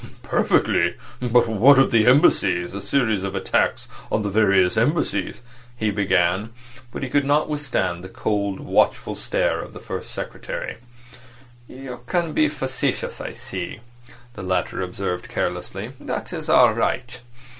"Perfectly. But what of the Embassies? A series of attacks on the various Embassies," he began; but he could not withstand the cold, watchful stare of the First Secretary. "You can be facetious, I see," the latter observed carelessly. "That's all right.